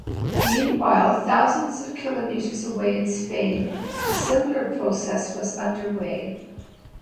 Meanwhile, thousands of kilometres away in Spain, a similar process was underway.